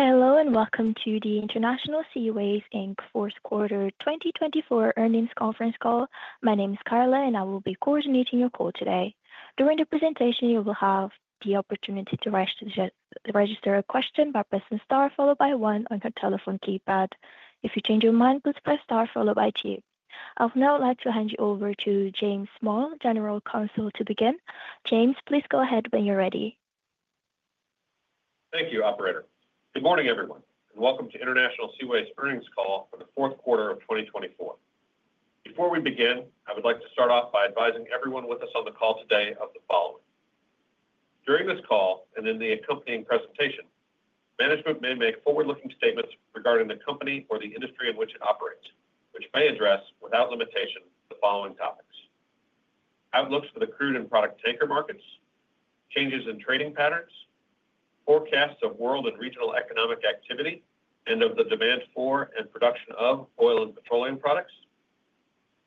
Hello and welcome to the International Seaways, Inc. Q4 2024 Earnings Conference Call. My name is Carla, and I will be coordinating your call today. During the presentation, you will have the opportunity to register a question by pressing Star, followed by One on your telephone keypad. If you change your mind, please press Star, followed by Two. I would now like to hand you over to James Small, General Counsel, to begin. James, please go ahead when you're ready. Thank you, Operator. Good morning, everyone, and welcome to International Seaways Earnings Call for the Q4 of 2024. Before we begin, I would like to start off by advising everyone with us on the call today of the following: During this call and in the accompanying presentation, management may make forward-looking statements regarding the company or the industry in which it operates, which may address, without limitation, the following topics: outlooks for the crude and product tanker markets, changes in trading patterns, forecasts of world and regional economic activity, and of the demand for and production of oil and petroleum products,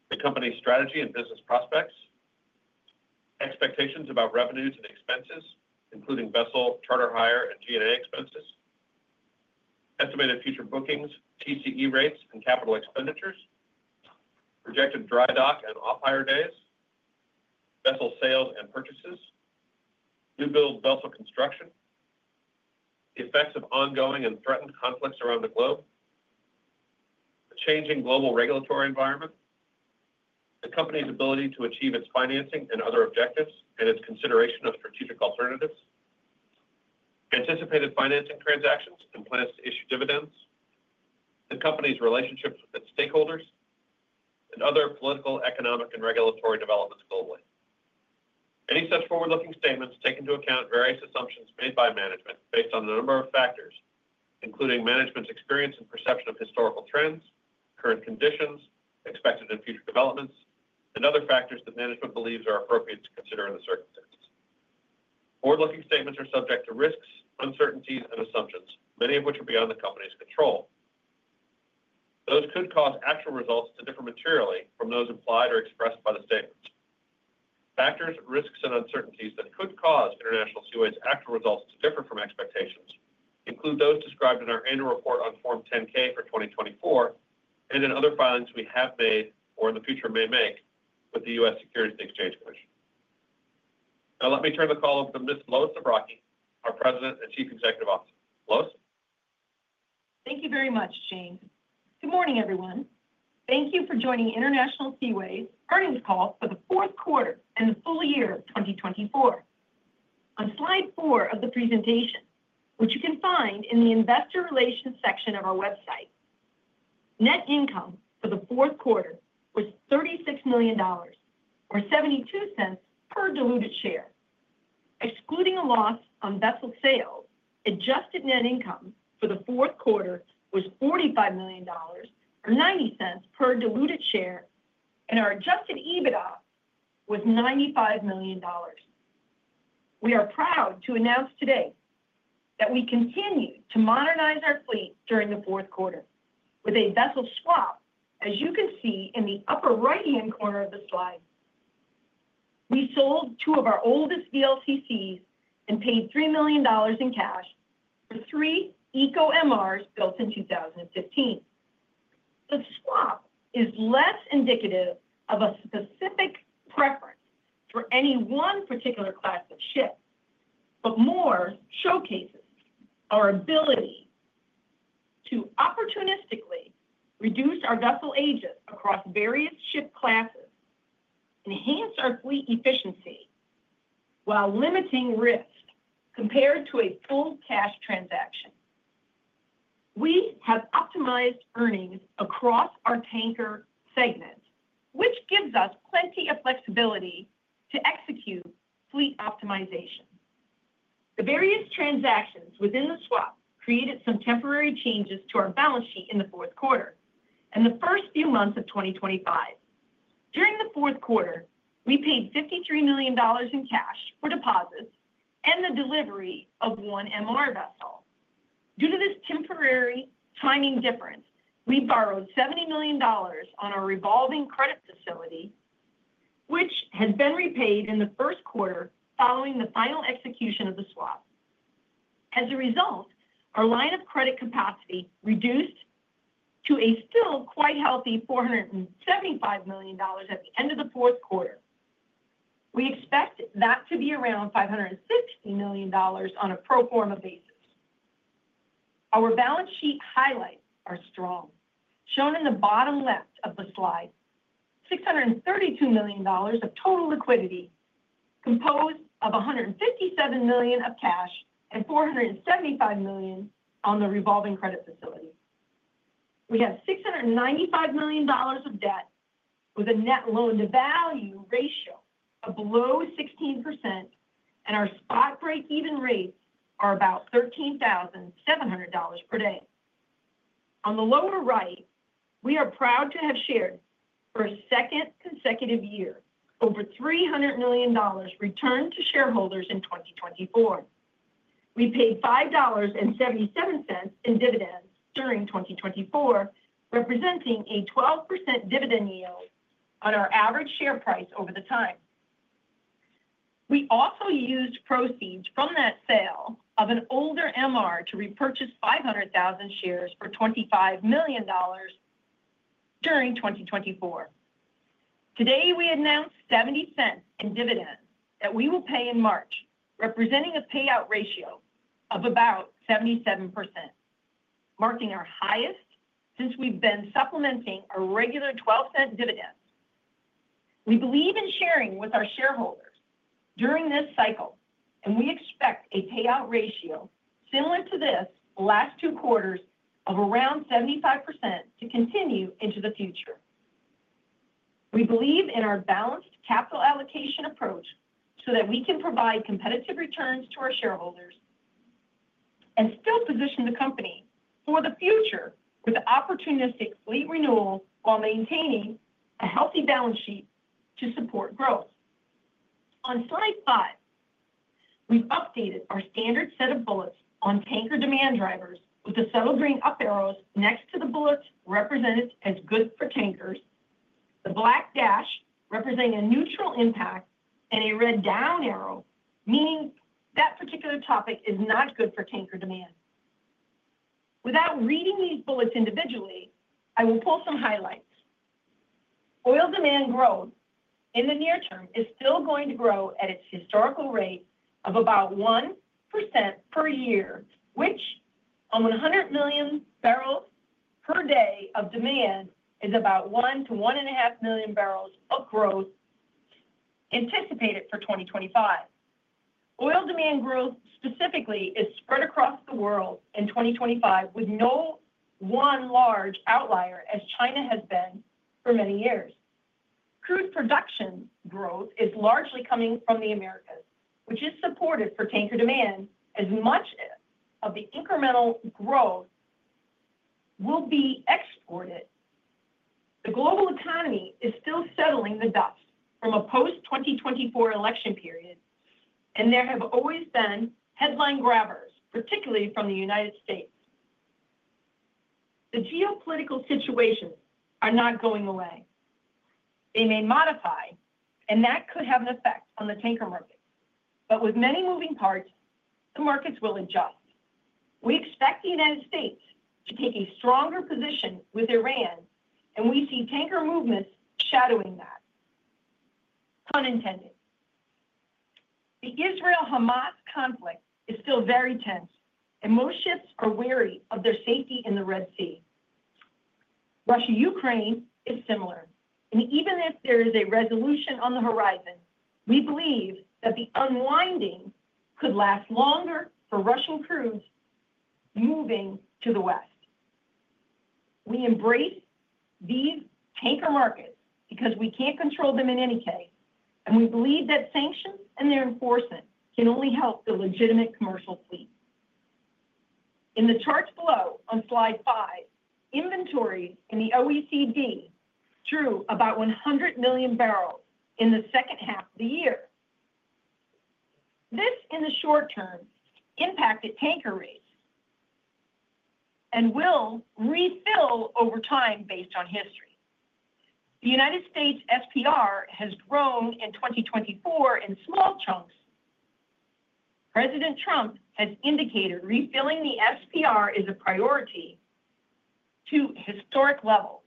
the company's strategy and business prospects, expectations about revenues and expenses, including vessel charter hire and G&A expenses, estimated future bookings, TCE rates, and capital expenditures, projected dry dock and off-hire days, vessel sales and purchases, new build vessel construction, the effects of ongoing and threatened conflicts around the globe, the changing global regulatory environment, the company's ability to achieve its financing and other objectives, and its consideration of strategic alternatives, anticipated financing transactions and plans to issue dividends, the company's relationships with its stakeholders, and other political, economic, and regulatory developments globally. Any such forward-looking statements take into account various assumptions made by management based on a number of factors, including management's experience and perception of historical trends, current conditions, expected and future developments, and other factors that management believes are appropriate to consider in the circumstances. Forward-looking statements are subject to risks, uncertainties, and assumptions, many of which are beyond the company's control. Those could cause actual results to differ materially from those implied or expressed by the statements. Factors, risks, and uncertainties that could cause International Seaways' actual results to differ from expectations include those described in our annual report on Form 10-K for 2024 and in other filings we have made or in the future may make with the U.S. Securities and Exchange Commission. Now, let me turn the call over to Ms. Lois Zabrocky, our President and Chief Executive Officer. Lois? Thank you very much, James. Good morning, everyone. Thank you for joining International Seaways' earnings call for the Q4 and the full year of 2024. On slide four of the presentation, which you can find in the Investor Relations section of our website, net income for the Q4 was $36 million, or $0.72 per diluted share. Excluding a loss on vessel sales, adjusted net income for the Q4 was $45 million, or $0.90 per diluted share, and our adjusted EBITDA was $95 million. We are proud to announce today that we continue to modernize our fleet during the Q4 with a vessel swap, as you can see in the upper right-hand corner of the slide. We sold two of our oldest VLCCs and paid $3 million in cash for three Eco MRs built in 2015. The swap is less indicative of a specific preference for any one particular class of ship, but more showcases our ability to opportunistically reduce our vessel ages across various ship classes, enhance our fleet efficiency while limiting risk compared to a full cash transaction. We have optimized earnings across our tanker segment, which gives us plenty of flexibility to execute fleet optimization. The various transactions within the swap created some temporary changes to our balance sheet in the Q4 and the first few months of 2025. During the Q4, we paid $53 million in cash for deposits and the delivery of one MR vessel. Due to this temporary timing difference, we borrowed $70 million on our revolving credit facility, which has been repaid in the Q1 following the final execution of the swap. As a result, our line of credit capacity reduced to a still quite healthy $475 million at the end of the Q4. We expect that to be around $560 million on a pro forma basis. Our balance sheet highlights are strong, shown in the bottom left of the slide: $632 million of total liquidity, composed of $157 million of cash and $475 million on the revolving credit facility. We have $695 million of debt with a net loan-to-value ratio of below 16%, and our spot break-even rates are about $13,700 per day. On the lower right, we are proud to have shared, for a second consecutive year, over $300 million returned to shareholders in 2024. We paid $5.77 in dividends during 2024, representing a 12% dividend yield on our average share price over the time. We also used proceeds from that sale of an older MR to repurchase 500,000 shares for $25 million during 2024. Today, we announced $0.70 in dividends that we will pay in March, representing a payout ratio of about 77%, marking our highest since we've been supplementing our regular $0.12 dividends. We believe in sharing with our shareholders during this cycle, and we expect a payout ratio similar to this last two quarters of around 75% to continue into the future. We believe in our balanced capital allocation approach so that we can provide competitive returns to our shareholders and still position the company for the future with opportunistic fleet renewals while maintaining a healthy balance sheet to support growth. On slide five, we've updated our standard set of bullets on tanker demand drivers with the subtle green up arrows next to the bullets represented as good for tankers, the black dash representing a neutral impact, and a red down arrow meaning that particular topic is not good for tanker demand. Without reading these bullets individually, I will pull some highlights. Oil demand growth in the near term is still going to grow at its historical rate of about 1% per year, which, on 100 million barrels per day of demand, is about 1-1.5 million barrels of growth anticipated for 2025. Oil demand growth specifically is spread across the world in 2025 with no one large outlier, as China has been for many years. Crude production growth is largely coming from the Americas, which is supportive for tanker demand, as much of the incremental growth will be exported. The global economy is still settling the dust from a post-2024 election period, and there have always been headline grabbers, particularly from the United States. The geopolitical situations are not going away. They may modify, and that could have an effect on the tanker market. But with many moving parts, the markets will adjust. We expect the United States to take a stronger position with Iran, and we see tanker movements shadowing that, pun intended. The Israel-Hamas conflict is still very tense, and most ships are wary of their safety in the Red Sea. Russia-Ukraine is similar, and even if there is a resolution on the horizon, we believe that the unwinding could last longer for Russian crudes moving to the West. We embrace these tanker markets because we can't control them in any case, and we believe that sanctions and their enforcement can only help the legitimate commercial fleet. In the chart below on slide five, inventory in the OECD drew about 100 million barrels in the second half of the year. This, in the short term, impacted tanker rates and will refill over time based on history. The United States SPR has grown in 2024 in small chunks. President Trump has indicated refilling the SPR is a priority to historic levels.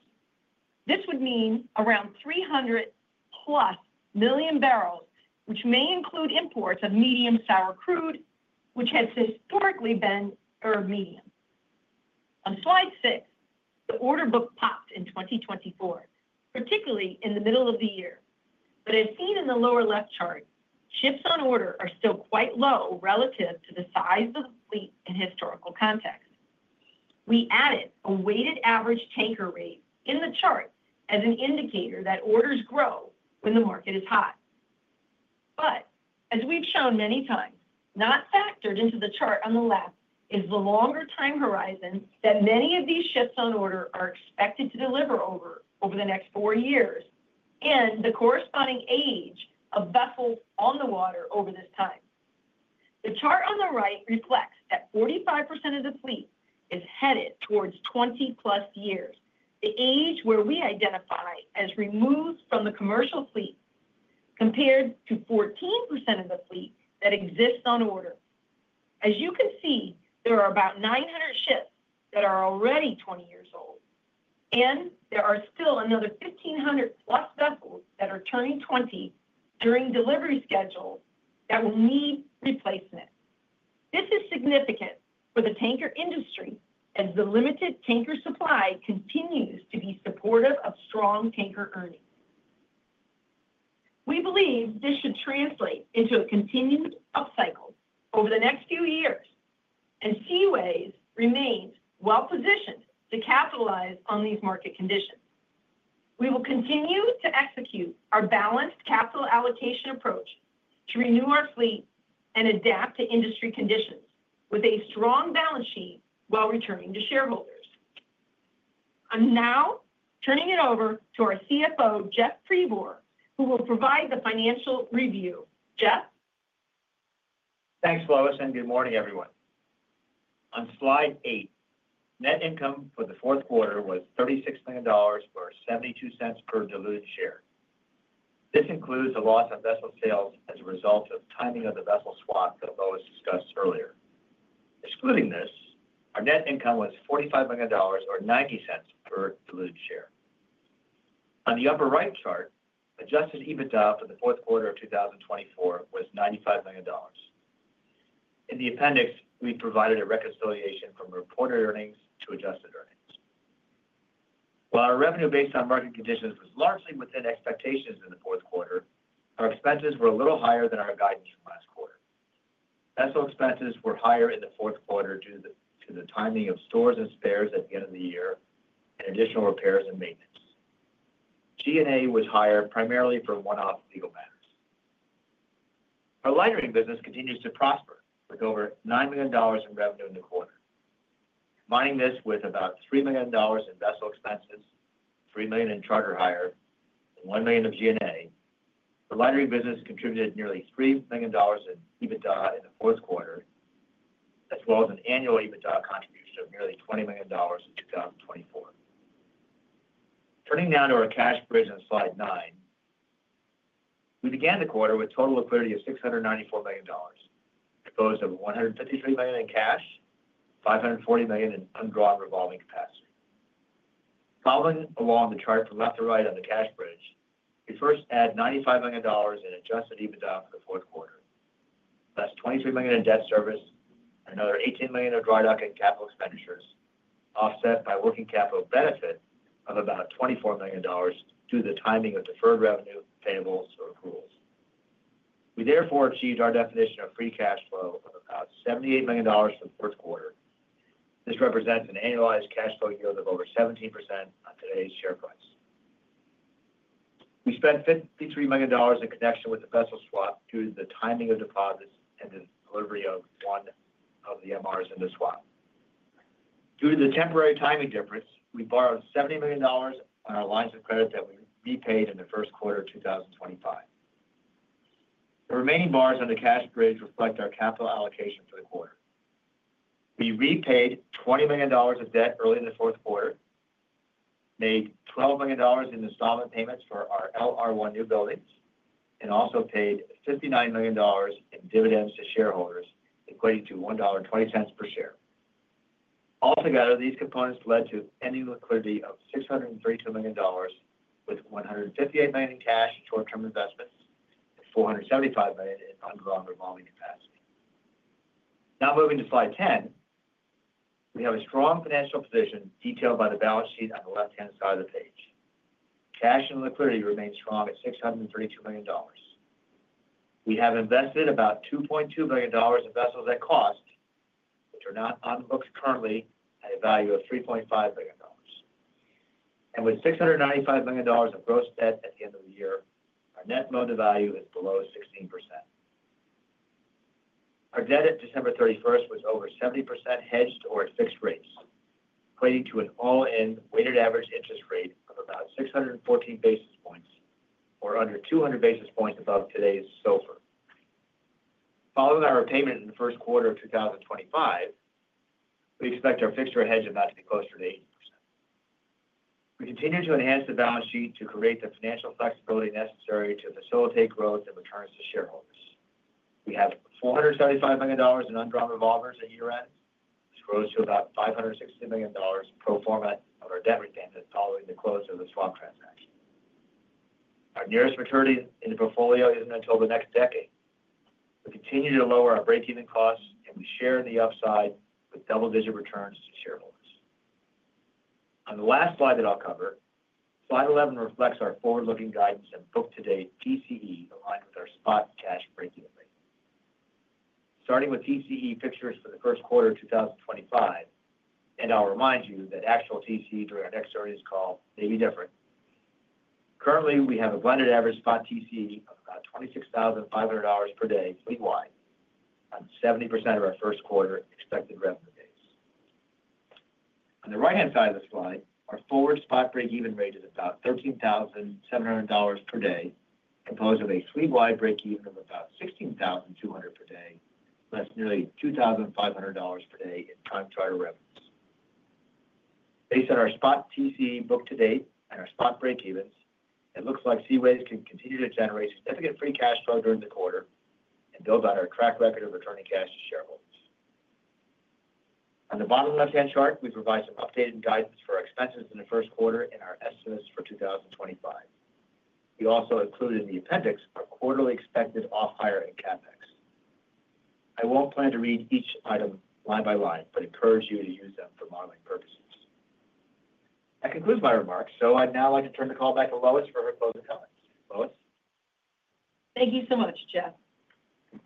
This would mean around 300-plus million barrels, which may include imports of medium sour crude, which has historically been medium. On slide six, the order book popped in 2024, particularly in the middle of the year. But as seen in the lower left chart, ships on order are still quite low relative to the size of the fleet in historical context. We added a weighted average tanker rate in the chart as an indicator that orders grow when the market is hot. But as we've shown many times, not factored into the chart on the left is the longer time horizon that many of these ships on order are expected to deliver over the next four years and the corresponding age of vessels on the water over this time. The chart on the right reflects that 45% of the fleet is headed towards 20-plus years, the age where we identify as removed from the commercial fleet, compared to 14% of the fleet that exists on order. As you can see, there are about 900 ships that are already 20 years old, and there are still another 1,500-plus vessels that are turning 20 during delivery schedules that will need replacement. This is significant for the tanker industry as the limited tanker supply continues to be supportive of strong tanker earnings. We believe this should translate into a continued upcycle over the next few years, and Seaways remains well-positioned to capitalize on these market conditions. We will continue to execute our balanced capital allocation approach to renew our fleet and adapt to industry conditions with a strong balance sheet while returning to shareholders. I'm now turning it over to our CFO, Jeff Pribor, who will provide the financial review. Jeff? Thanks, Lois, and good morning, everyone. On slide eight, net income for the Q4 was $36 million or $0.72 per diluted share. This includes a loss on vessel sales as a result of timing of the vessel swap that Lois discussed earlier. Excluding this, our net income was $45 million or $0.90 per diluted share. On the upper right chart, adjusted EBITDA for the Q4 of 2024 was $95 million. In the appendix, we provided a reconciliation from reported earnings to adjusted earnings. While our revenue based on market conditions was largely within expectations in the Q4, our expenses were a little higher than our guidance from last quarter. Vessel expenses were higher in the Q4 due to the timing of stores and spares at the end of the year and additional repairs and maintenance. G&A was higher primarily for one-off legal matters. Our lightering business continues to prosper, with over $9 million in revenue in the quarter. Combining this with about $3 million in vessel expenses, $3 million in charter hire, and $1 million of G&A, our lightering business contributed nearly $3 million in EBITDA in the Q4, as well as an annual EBITDA contribution of nearly $20 million in 2024. Turning now to our cash bridge on slide nine, we began the quarter with total liquidity of $694 million, composed of $153 million in cash, $540 million in undrawn revolving capacity. Following along the chart from left to right on the cash bridge, we first add $95 million in adjusted EBITDA for the Q4, plus $23 million in debt service and another $18 million of dry docking capital expenditures, offset by working capital benefit of about $24 million due to the timing of deferred revenue payables or accruals. We therefore achieved our definition of free cash flow of about $78 million for the Q4. This represents an annualized cash flow yield of over 17% on today's share price. We spent $53 million in connection with the vessel swap due to the timing of deposits and the delivery of one of the MRs in the swap. Due to the temporary timing difference, we borrowed $70 million on our lines of credit that we repaid in the Q1 of 2025. The remaining bars on the cash bridge reflect our capital allocation for the quarter. We repaid $20 million of debt early in the Q4, made $12 million in installment payments for our LR1 newbuildings, and also paid $59 million in dividends to shareholders, equating to $1.20 per share. Altogether, these components led to an ending liquidity of $632 million, with $158 million in cash in short-term investments and $475 million in undrawn revolving capacity. Now moving to slide ten, we have a strong financial position detailed by the balance sheet on the left-hand side of the page. Cash and liquidity remain strong at $632 million. We have invested about $2.2 billion in vessels at cost, which are not on the books currently, at a value of $3.5 billion. And with $695 million of gross debt at the end of the year, our net loan-to-value is below 16%. Our debt at December 31st was over 70% hedged or at fixed rates, equating to an all-in weighted average interest rate of about 614 basis points, or under 200 basis points above today's SOFR. Following our repayment in the Q1 of 2025, we expect our fixed-rate hedge amount to be closer to 80%. We continue to enhance the balance sheet to create the financial flexibility necessary to facilitate growth and returns to shareholders. We have $475 million in undrawn revolvers at year-end, which grows to about $560 million pro forma of our debt repayment following the close of the swap transaction. Our nearest maturity in the portfolio isn't until the next decade. We continue to lower our break-even costs, and we share the upside with double-digit returns to shareholders. On the last slide that I'll cover, slide 11 reflects our forward-looking guidance and book-to-date TCE aligned with our spot cash break-even rate. Starting with TCE figures for the Q1 of 2025, and I'll remind you that actual TCE during our next earnings call may be different. Currently, we have a blended average spot TCE of about $26,500 per day fleet-wide on 70% of our Q1 expected revenue base. On the right-hand side of the slide, our forward spot break-even rate is about $13,700 per day, composed of a fleet-wide break-even of about $16,200 per day, less nearly $2,500 per day in time charter revenues. Based on our spot TCE book-to-date and our spot break-evens, it looks like Seaways can continue to generate significant free cash flow during the quarter and build on our track record of returning cash to shareholders. On the bottom left-hand chart, we provide some updated guidance for our expenses in the Q1 and our estimates for 2025. We also included in the appendix our quarterly expected off-hire and CapEx. I won't plan to read each item line by line, but encourage you to use them for modeling purposes. That concludes my remarks, so I'd now like to turn the call back to Lois for her closing comments. Lois? Thank you so much, Jeff.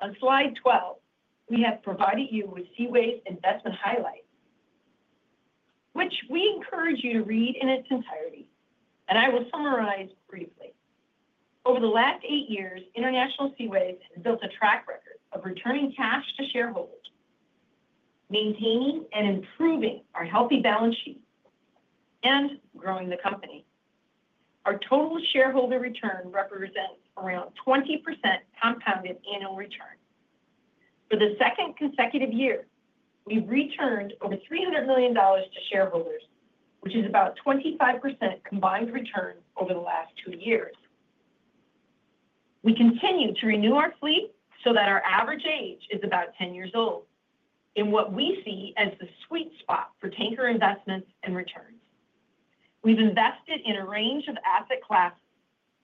On slide 12, we have provided you with Seaways investment highlights, which we encourage you to read in its entirety, and I will summarize briefly. Over the last eight years, International Seaways has built a track record of returning cash to shareholders, maintaining and improving our healthy balance sheet, and growing the company. Our total shareholder return represents around 20% compounded annual return. For the second consecutive year, we've returned over $300 million to shareholders, which is about 25% combined return over the last two years. We continue to renew our fleet so that our average age is about 10 years old, in what we see as the sweet spot for tanker investments and returns. We've invested in a range of asset classes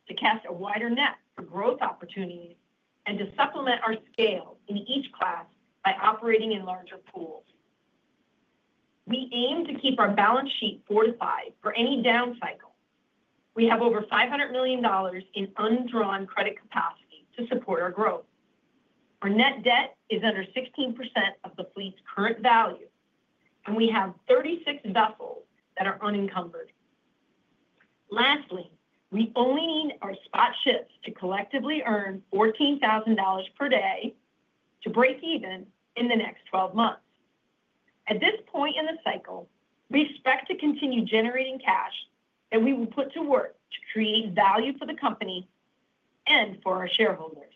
to cast a wider net for growth opportunities and to supplement our scale in each class by operating in larger pools. We aim to keep our balance sheet fortified for any down cycle. We have over $500 million in undrawn credit capacity to support our growth. Our net debt is under 16% of the fleet's current value, and we have 36 vessels that are unencumbered. Lastly, we only need our spot ships to collectively earn $14,000 per day to break even in the next 12 months. At this point in the cycle, we expect to continue generating cash that we will put to work to create value for the company and for our shareholders.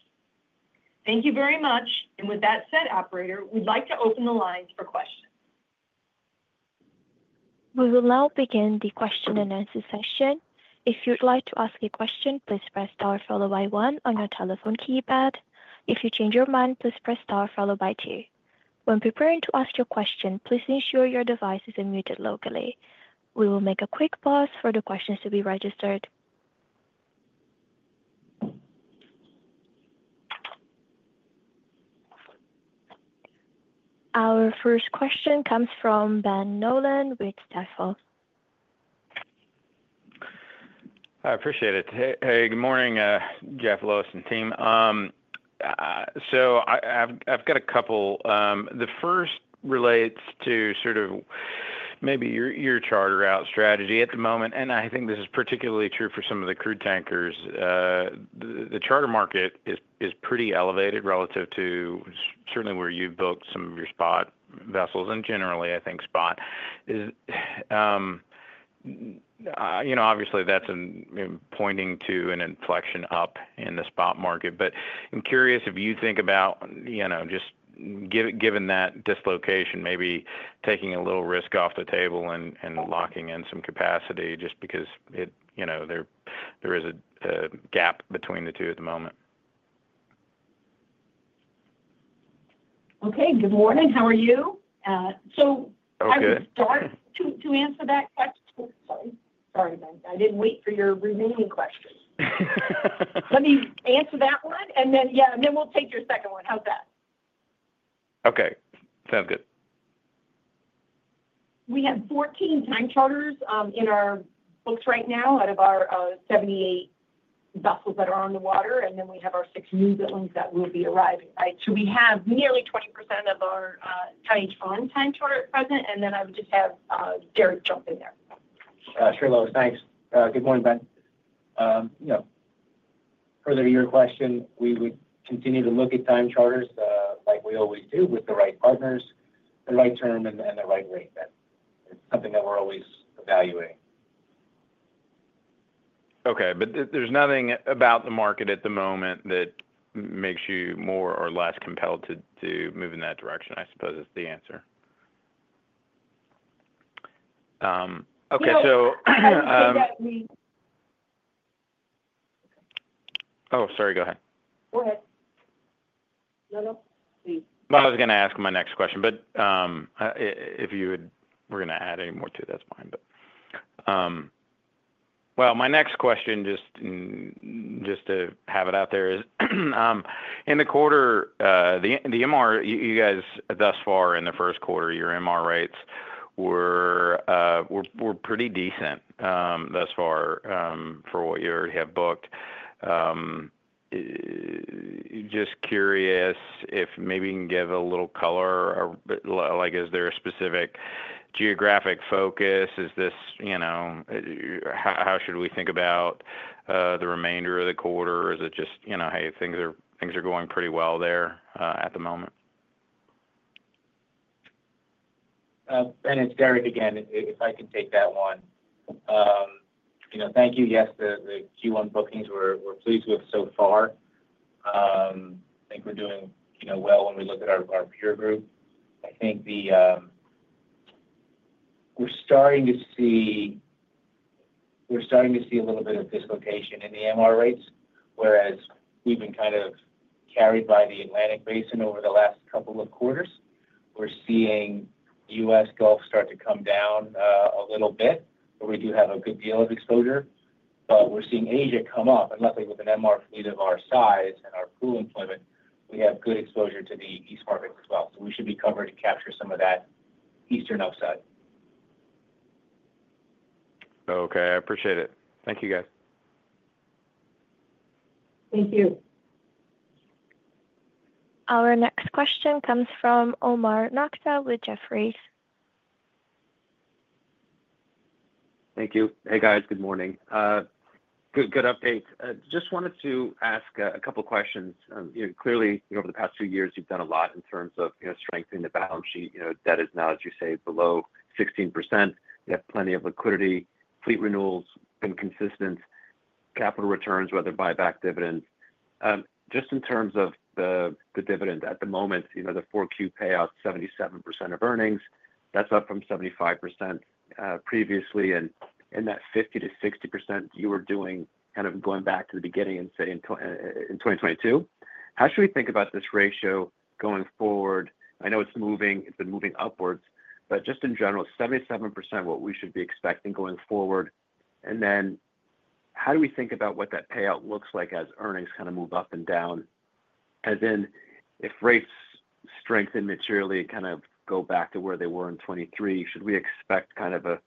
Thank you very much, and with that said, Operator, we'd like to open the lines for questions. We will now begin the question and answer session. If you'd like to ask a question, please press star followed by one on your telephone keypad. If you change your mind, please press star followed by two. When preparing to ask your question, please ensure your device is muted locally. We will make a quick pause for the questions to be registered. Our first question comes from Ben Nolan with Stifel. Hi, I appreciate it. Hey, good morning, Jeff, Lois, and team. So I've got a couple. The first relates to sort of maybe your charter rate strategy at the moment, and I think this is particularly true for some of the crude tankers. The charter market is pretty elevated relative to certainly where you booked some of your spot vessels, and generally, I think spot is. Obviously, that's pointing to an inflection up in the spot market, but I'm curious if you think about just given that dislocation, maybe taking a little risk off the table and locking in some capacity just because there is a gap between the two at the moment. Okay, good morning. How are you? So I will start to answer that question. Sorry, Ben. I didn't wait for your remaining question. Let me answer that one, and then yeah, and then we'll take your second one. How's that? Okay, sounds good. We have 14 time charters in our books right now out of our 78 vessels that are on the water, and then we have our six new buildings that will be arriving, right? So we have nearly 20% of our time charter at present, and then I would just have Jeff jump in there. Sure, Lois. Thanks. Good morning, Ben. Further to your question, we would continue to look at time charters like we always do with the right partners, the right term, and the right rate, Ben. It's something that we're always evaluating. Okay, but there's nothing about the market at the moment that makes you more or less compelled to move in that direction, I suppose is the answer. Okay, so. I think that we. Oh, sorry, go ahead. Go ahead. No, no. Please. My next question, just to have it out there, is in the quarter, the MR, you guys thus far in the Q1, your MR rates were pretty decent thus far for what you already have booked. Just curious if maybe you can give a little color, like is there a specific geographic focus? Is this how should we think about the remainder of the quarter? Is it just, hey, things are going pretty well there at the moment? It's Derek again, if I can take that one. Thank you. Yes, the Q1 bookings we're pleased with so far. I think we're doing well when we look at our peer group. I think we're starting to see a little bit of dislocation in the MR rates, whereas we've been kind of carried by the Atlantic Basin over the last couple of quarters. We're seeing U.S. Gulf start to come down a little bit, where we do have a good deal of exposure, but we're seeing Asia come up. And luckily, with an MR fleet of our size and our pool employment, we have good exposure to the East markets as well. So we should be covered to capture some of that eastern upside. Okay, I appreciate it. Thank you, guys. Thank you. Our next question comes from Omar Nokta with Jefferies. Thank you. Hey, guys, good morning. Good update. Just wanted to ask a couple of questions. Clearly, over the past two years, you've done a lot in terms of strengthening the balance sheet. Debt is now, as you say, below 16%. You have plenty of liquidity. Fleet renewals have been consistent. Capital returns, whether buyback dividends. Just in terms of the dividend at the moment, the 4Q payout, 77% of earnings. That's up from 75% previously. And that 50%-60% you were doing kind of going back to the beginning and say in 2022. How should we think about this ratio going forward? I know it's moving. It's been moving upwards. But just in general, 77%, what we should be expecting going forward. And then how do we think about what that payout looks like as earnings kind of move up and down? Then if rates strengthen materially and kind of go back to where they were in 2023, should we expect kind of a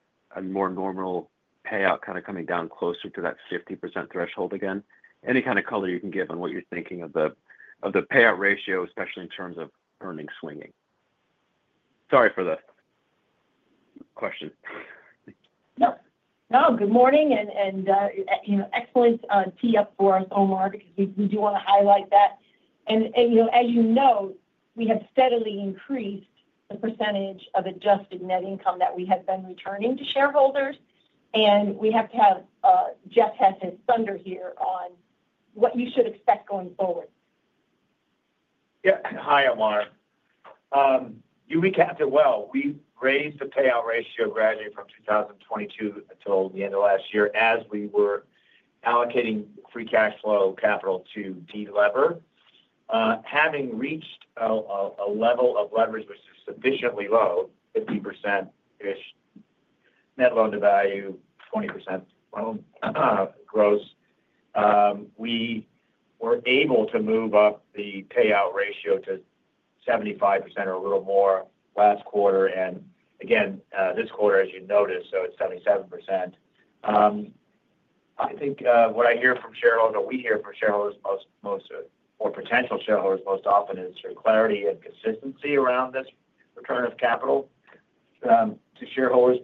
more normal payout kind of coming down closer to that 50% threshold again? Any kind of color you can give on what you're thinking of the payout ratio, especially in terms of earnings swinging? Sorry for the question. Yep. No, good morning and excellent tee-up for us, Omar, because we do want to highlight that, as you know, we have steadily increased the percentage of adjusted net income that we have been returning to shareholders, and we have to have Jeff has his thunder here on what you should expect going forward. Yeah. Hi, Omar. You recapped it well. We raised the payout ratio gradually from 2022 until the end of last year as we were allocating free cash flow capital to de-lever. Having reached a level of leverage which is sufficiently low, 50%-ish net loan-to-value, 20% gross, we were able to move up the payout ratio to 75% or a little more last quarter. And again, this quarter, as you noticed, so it's 77%. I think what I hear from shareholders, what we hear from shareholders most, or potential shareholders most often, is clarity and consistency around this return of capital to shareholders'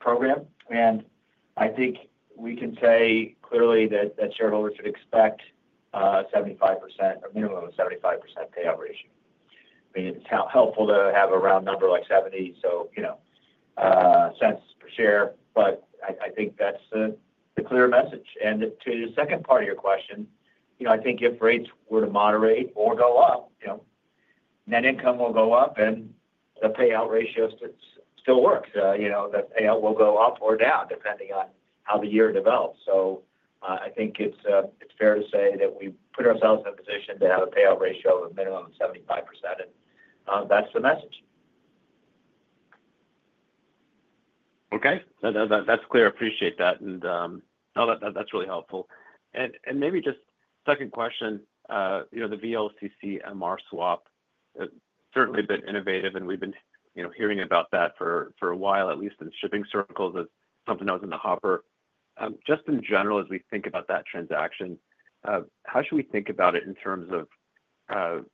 program. And I think we can say clearly that shareholders should expect 75%, a minimum of 75% payout ratio. I mean, it's helpful to have a round number like $0.70 per share, but I think that's the clear message. And to the second part of your question, I think if rates were to moderate or go up, net income will go up and the payout ratio still works. The payout will go up or down depending on how the year develops. So I think it's fair to say that we put ourselves in a position to have a payout ratio of a minimum of 75%, and that's the message. Okay. That's clear. I appreciate that. And no, that's really helpful. And maybe just second question, the VLCC MR swap, certainly been innovative, and we've been hearing about that for a while, at least in shipping circles, as something that was in the hopper. Just in general, as we think about that transaction, how should we think about it in terms of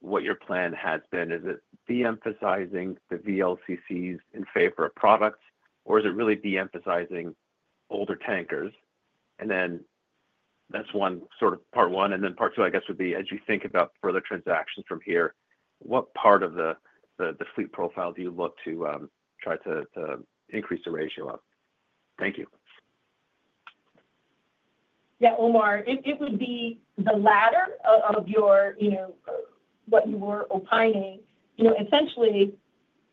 what your plan has been? Is it de-emphasizing the VLCCs in favor of products, or is it really de-emphasizing older tankers? And then that's one sort of part one. And then part two, I guess, would be as you think about further transactions from here, what part of the fleet profile do you look to try to increase the ratio of? Thank you. Yeah, Omar, it would be the latter of what you were opining. Essentially,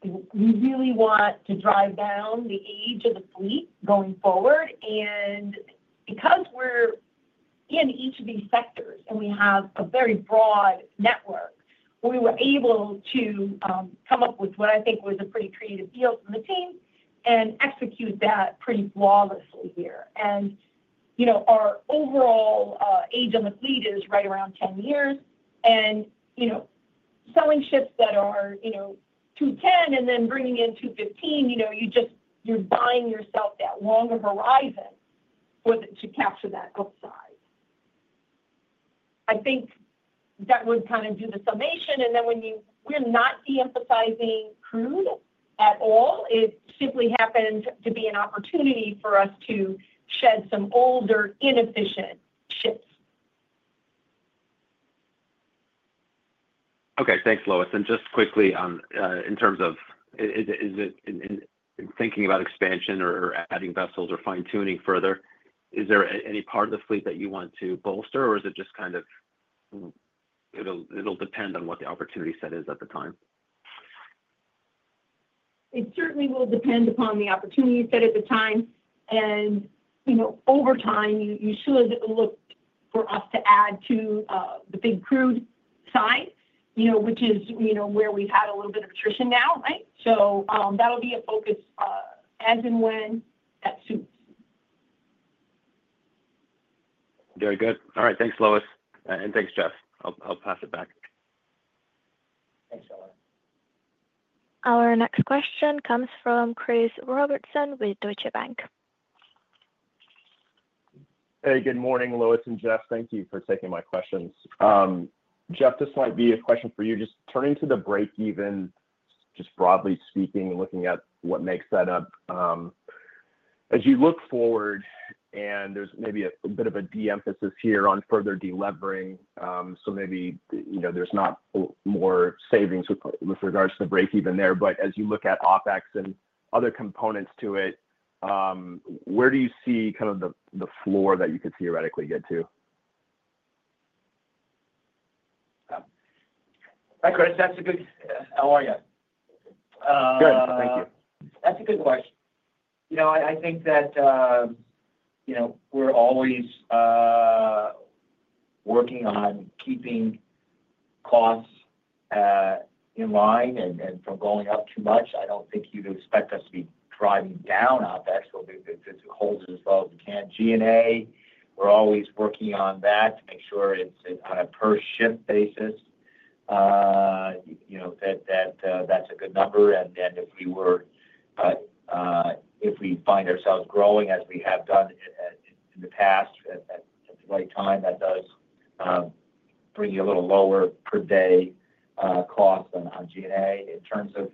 we really want to drive down the age of the fleet going forward. Because we're in each of these sectors and we have a very broad network, we were able to come up with what I think was a pretty creative deal from the team and execute that pretty flawlessly here. Our overall age on the fleet is right around 10 years. Selling ships that are 21.0 and then bringing in 21.5, you're buying yourself that longer horizon to capture that upside. I think that would kind of do the summation. We're not de-emphasizing crude at all. It simply happens to be an opportunity for us to shed some older, inefficient ships. Okay, thanks, Lois. And just quickly in terms of thinking about expansion or adding vessels or fine-tuning further, is there any part of the fleet that you want to bolster, or is it just kind of it'll depend on what the opportunity set is at the time? It certainly will depend upon the opportunity set at the time. And over time, you should look for us to add to the big crude side, which is where we've had a little bit of attrition now, right? So that'll be a focus as and when that suits. Very good. All right, thanks, Lois. And thanks, Jeff. I'll pass it back. Thanks, Omar. Our next question comes from Chris Robertson with Deutsche Bank. Hey, good morning, Lois and Jeff. Thank you for taking my questions. Jeff, this might be a question for you. Just turning to the break-even, just broadly speaking, looking at what makes that up. As you look forward, and there's maybe a bit of a de-emphasis here on further de-levering, so maybe there's not more savings with regards to the break-even there. But as you look at OpEX and other components to it, where do you see kind of the floor that you could theoretically get to? Hi, Chris. How are you? Good. Thank you. That's a good question. I think that we're always working on keeping costs in line and from going up too much. I don't think you'd expect us to be driving down OpEx. We'll be able to hold it as low as we can. G&A, we're always working on that to make sure it's on a per-ship basis, that that's a good number, and then if we find ourselves growing, as we have done in the past at the right time, that does bring you a little lower per day cost on G&A. In terms of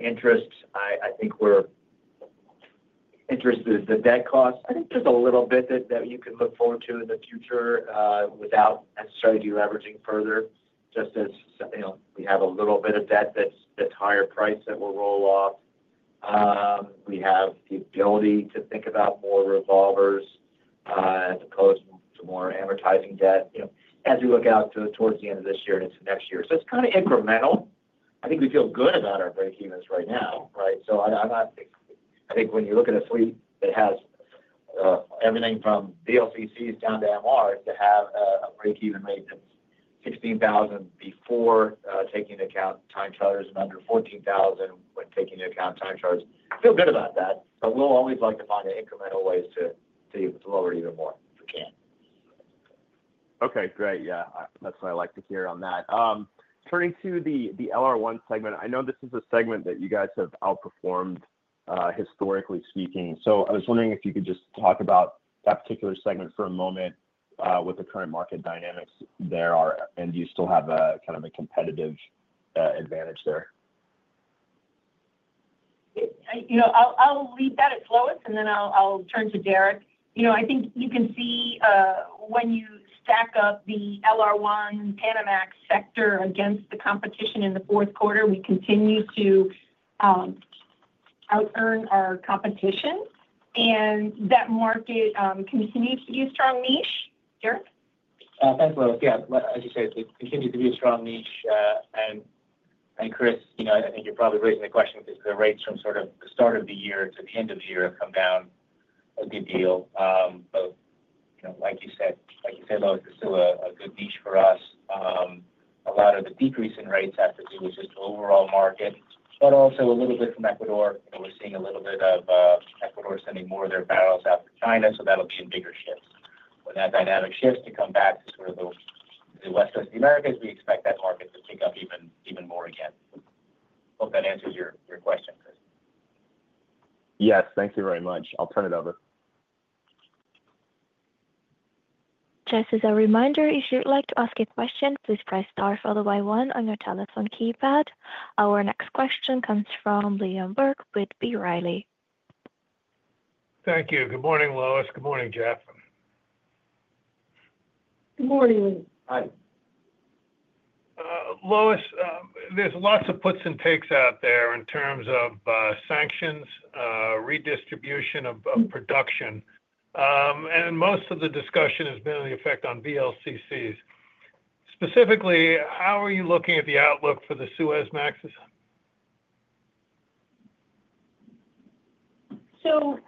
interest, I think we're interested in the debt cost. I think there's a little bit that you could look forward to in the future without necessarily de-leveraging further, just as we have a little bit of debt that's higher price that we'll roll off. We have the ability to think about more revolvers as opposed to more amortizing debt as we look out towards the end of this year and into next year. So it's kind of incremental. I think we feel good about our break-evens right now, right? So I think when you look at a fleet that has everything from VLCCs down to MRs to have a break-even rate that's $16,000 before taking into account time charters and under $14,000 when taking into account time charters, feel good about that. But we'll always like to find incremental ways to lower even more if we can. Okay, great. Yeah, that's what I'd like to hear on that. Turning to the LR1 segment, I know this is a segment that you guys have outperformed historically speaking. So I was wondering if you could just talk about that particular segment for a moment with the current market dynamics there are, and do you still have kind of a competitive advantage there? I'll leave that at Lois, and then I'll turn to Derek. I think you can see when you stack up the LR1 Panamax sector against the competition in the Q4, we continue to out-earn our competition. And that market continues to be a strong niche. Derek? Thanks, Lois. Yeah, as you say, it continues to be a strong niche. And Chris, I think you're probably raising the question because the rates from sort of the start of the year to the end of the year have come down a good deal. But like you said, Lois, it's still a good niche for us. A lot of the decrease in rates has to do with just the overall market, but also a little bit from Ecuador. We're seeing a little bit of Ecuador sending more of their barrels out to China, so that'll be in bigger ships. When that dynamic shifts to come back to sort of the West Coast of the Americas, we expect that market to pick up even more again. Hope that answers your question, Chris. Yes, thank you very much. I'll turn it over. Just as a reminder, if you'd like to ask a question, please press star followed by one on your telephone keypad. Our next question comes from Liam Burke with B. Riley. Thank you. Good morning, Lois. Good morning, Jeff. Good morning. Hi. Lois, there's lots of puts and takes out there in terms of sanctions, redistribution of production. And most of the discussion has been on the effect on VLCCs. Specifically, how are you looking at the outlook for the Suezmaxes? So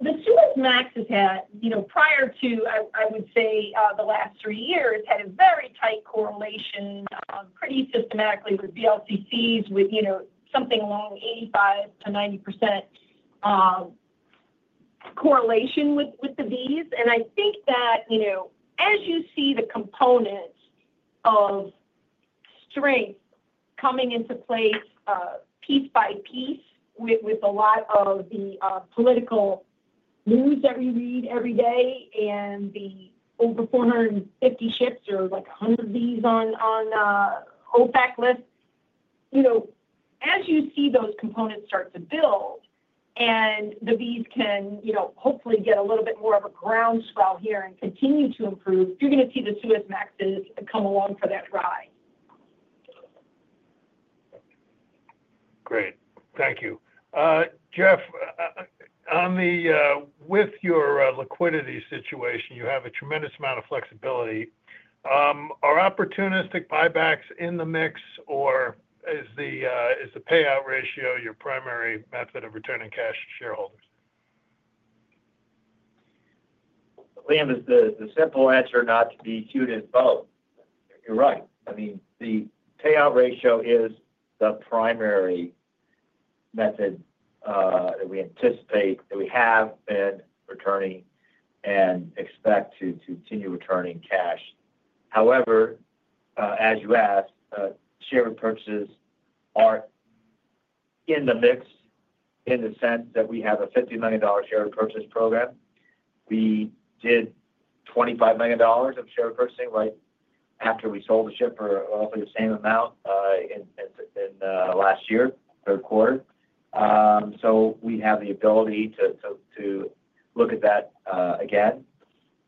the Suezmaxes had, prior to, I would say, the last three years, a very tight correlation pretty systematically with VLCCs, with something along the 85%-90% correlation with the Vs. And I think that as you see the components of strength coming into place piece by piece with a lot of the political news that we read every day and the over 450 ships or like 100 Vs on OFAC lists, as you see those components start to build and the Vs can hopefully get a little bit more of a groundswell here and continue to improve, you're going to see the Suezmaxes come along for that ride. Great. Thank you. Jeff, with your liquidity situation, you have a tremendous amount of flexibility. Are opportunistic buybacks in the mix, or is the payout ratio your primary method of returning cash to shareholders? Liam, the simple answer is not to do both. You're right. I mean, the payout ratio is the primary method that we anticipate that we have been returning and expect to continue returning cash. However, as you asked, share purchases are in the mix in the sense that we have a $50 million share purchase program. We did $25 million of share purchasing right after we sold the ship for roughly the same amount in last year, Q3. So we have the ability to look at that again.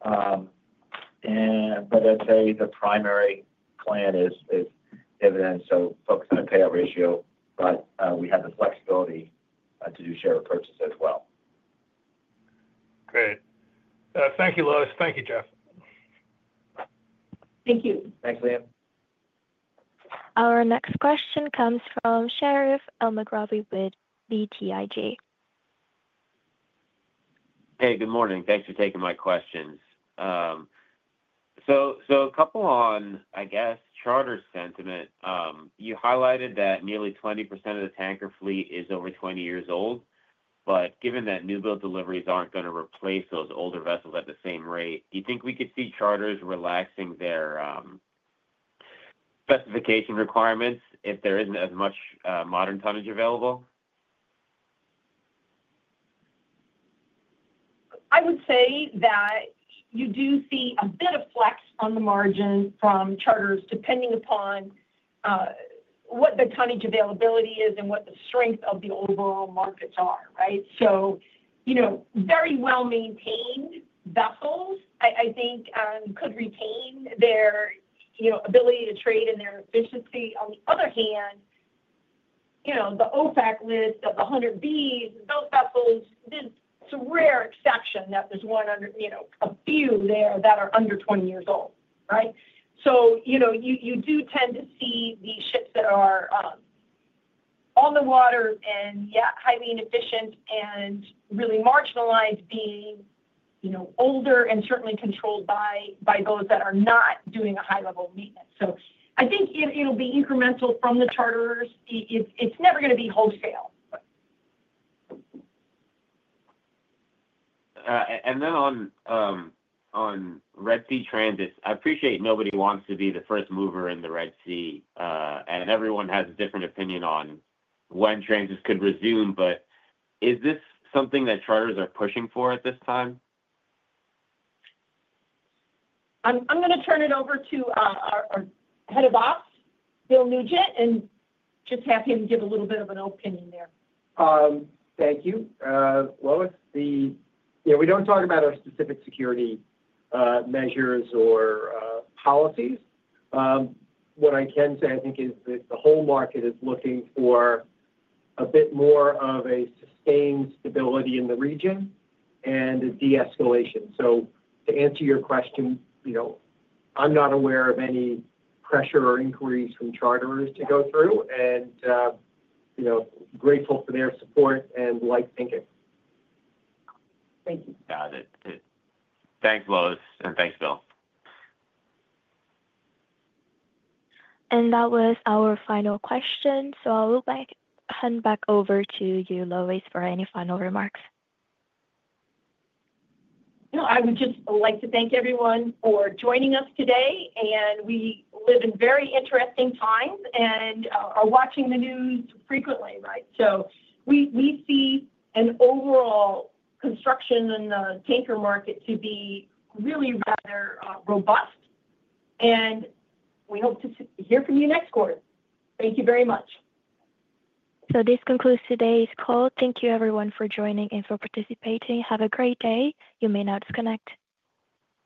But I'd say the primary plan is dividends, so focus on a payout ratio, but we have the flexibility to do share purchases as well. Great. Thank you, Lois. Thank you, Jeff. Thank you. Thanks, Liam. Our next question comes from Sherif Elmaghrabi with BTIG. Hey, good morning. Thanks for taking my questions. So a couple on, I guess, charter sentiment. You highlighted that nearly 20% of the tanker fleet is over 20 years old. But given that new build deliveries aren't going to replace those older vessels at the same rate, do you think we could see charters relaxing their specification requirements if there isn't as much modern tonnage available? I would say that you do see a bit of flex on the margin from charters depending upon what the tonnage availability is and what the strength of the overall markets are, right? So very well-maintained vessels, I think, could retain their ability to trade and their efficiency. On the other hand, the OFAC list of the 100 Vs, those vessels, there's a rare exception that there's a few there that are under 20 years old, right? So you do tend to see the ships that are on the water and, yeah, highly inefficient and really marginalized being older and certainly controlled by those that are not doing a high-level maintenance. So I think it'll be incremental from the charters. It's never going to be wholesale. And then on Red Sea transits, I appreciate nobody wants to be the first mover in the Red Sea, and everyone has a different opinion on when transits could resume, but is this something that charters are pushing for at this time? I'm going to turn it over to our Head of Ops, Bill Nugent, and just have him give a little bit of an opinion there. Thank you. Lois, yeah, we don't talk about our specific security measures or policies. What I can say, I think, is that the whole market is looking for a bit more of a sustained stability in the region and a de-escalation. So to answer your question, I'm not aware of any pressure or inquiries from charters to go through, and grateful for their support and lightering. Thank you. Got it. Thanks, Lois, and thanks, Bill. And that was our final question. So I'll hand back over to you, Lois, for any final remarks. I would just like to thank everyone for joining us today. And we live in very interesting times and are watching the news frequently, right? So we see an overall construction in the tanker market to be really rather robust. And we hope to hear from you next quarter. Thank you very much. So this concludes today's call. Thank you, everyone, for joining and for participating. Have a great day. You may now disconnect.